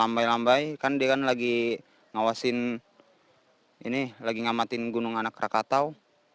lambai lambai kan dia kan lagi ngawasin ini lagi ngamatin gunung anak rakatau